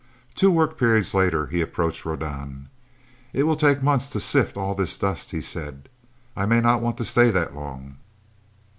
Two work periods later, he approached Rodan. "It will take months to sift all this dust," he said. "I may not want to stay that long."